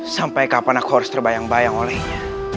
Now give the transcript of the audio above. sampai kapan aku harus terbayang bayang olehnya